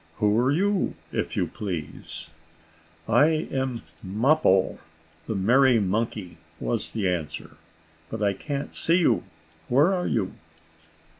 Who are you, if you please?" "I am Mappo, the merry monkey," was the answer. "But I can't see you. Where are you?"